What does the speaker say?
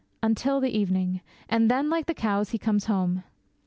Until the evening and then, like the cows, he comes home.